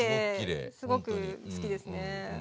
すごく好きですね。